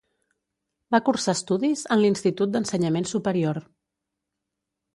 Va cursar estudis en l'Institut d'Ensenyament Superior.